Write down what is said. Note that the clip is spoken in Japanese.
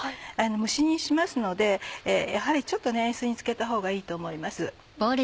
蒸し煮にしますのでやはりちょっと塩水につけたほうがいいと思います。